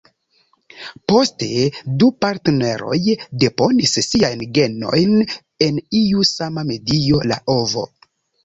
Poste, du partneroj deponis siajn genojn en iu sama medio, la ovo.